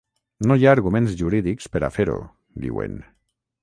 No hi ha arguments jurídics per a fer-ho, diuen.